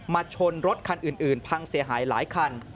ชนรถคันอื่นพังเสียหายหลายคัน